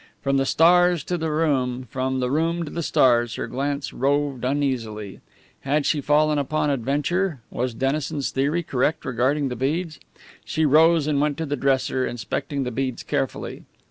From the stars to the room, from the room to the stars, her glance roved uneasily. Had she fallen upon an adventure? Was Dennison's theory correct regarding the beads? She rose and went to the dresser, inspecting the beads carefully.